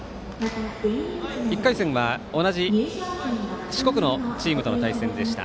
１回戦は同じ四国のチームとの対戦でした。